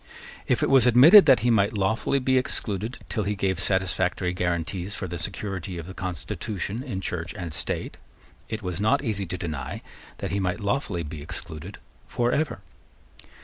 If it was admitted that he might lawfully be excluded till he gave satisfactory guarantees for the security of the constitution in Church and State, it was not easy to deny that he might lawfully be excluded for ever.